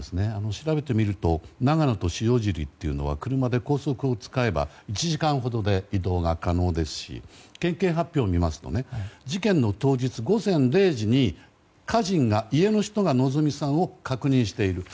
調べてみると、長野と塩尻は車で高速を使えば１時間ほどで移動が可能ですし県警発表を見ますと事件の当日午前０時に家人が、家の人が希美さんを確認していると。